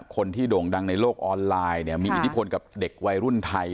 โด่งดังในโลกออนไลน์เนี่ยมีอิทธิพลกับเด็กวัยรุ่นไทย